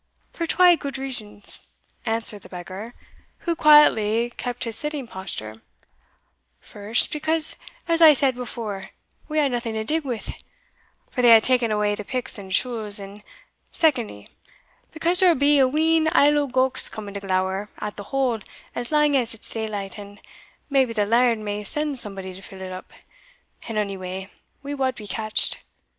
"For twa gude reasons," answered the beggar, who quietly kept his sitting posture; "first, because, as I said before, we have naething to dig wi', for they hae taen awa the picks and shules; and, secondly, because there will be a wheen idle gowks coming to glower at the hole as lang as it is daylight, and maybe the laird may send somebody to fill it up and ony way we wad be catched.